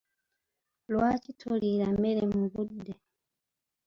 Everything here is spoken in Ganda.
Lwaki toliira mmere mu budde?